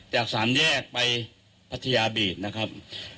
จาก๓แยกไปพัทยาบิตนะครับ